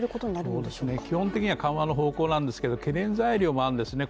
そうですね、基本的には緩和の方向なんですが懸念材料もあるんですね。